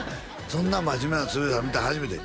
「そんな真面目な鶴瓶さん見たの初めて」